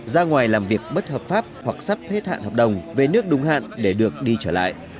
ra ngoài làm việc bất hợp pháp hoặc sắp hết hạn hợp đồng về nước đúng hạn để được đi trở lại